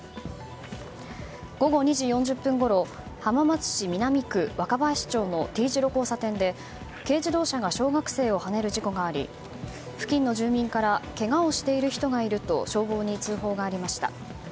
午後２時４０分ごろ浜松市南区若林町のＴ字路交差点で軽自動車が小学生をはねる事故があり付近の住民からけがをしている人がいると消防に通報がありました。